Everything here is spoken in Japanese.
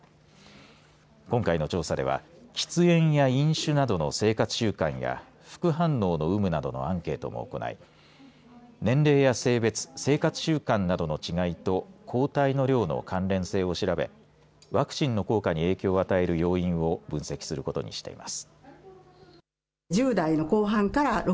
今回の調査では喫煙や飲酒などの生活習慣や副反応の有無などのアンケートも行い年齢や性別生活習慣などの違いと抗体の量の関連性を調べワクチンの効果に影響を与える要因を分析することにしています。